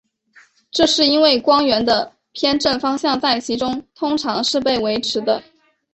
这是因为光源的偏振方向在其中通常是被维持的。